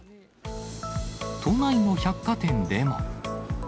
都内の百貨店でも。